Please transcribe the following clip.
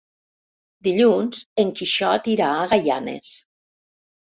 Dilluns en Quixot irà a Gaianes.